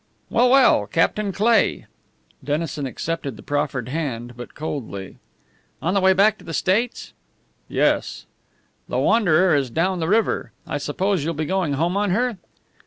"Well, well! Captain Cleigh!" Dennison accepted the proffered hand, but coldly. "On the way back to the States?" "Yes." "The Wanderer is down the river. I suppose you'll be going home on her?"